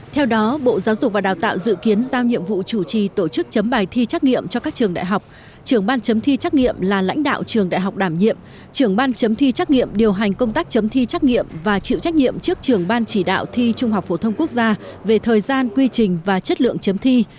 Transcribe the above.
theo đó bộ giáo dục và đào tạo dự kiến giao nhiệm vụ chủ trì tổ chức chấm bài thi trắc nghiệm cho các trường đại học trưởng ban chấm thi trắc nghiệm là lãnh đạo trường đại học đảm nhiệm trưởng ban chấm thi trắc nghiệm điều hành công tác chấm thi trắc nghiệm và chịu trách nhiệm trước trường ban chỉ đạo thi trung học phổ thông quốc gia về thời gian quy trình và chất lượng chấm thi